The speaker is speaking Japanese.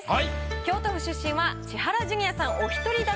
京都府出身は千原ジュニアさんお１人だけ。